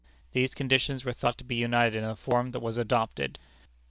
These conditions were thought to be united in the form that was adopted.